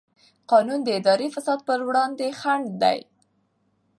قانون د اداري فساد پر وړاندې خنډ دی.